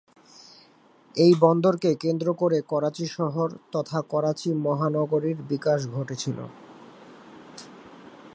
এই বন্দরকে কেন্দ্র করে করাচি শহর তথা করাচি মহানগরীর বিকাশ ঘটেছিল।